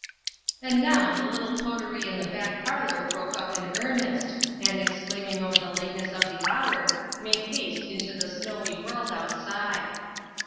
And now the little coterie in the back parlor broke up in earnest, and, exclaiming over the lateness of the hour, made haste into the snowy world outside.